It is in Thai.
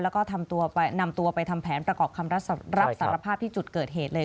แล้วก็นำตัวไปทำแผนประกอบคำรับสารภาพที่จุดเกิดเหตุเลย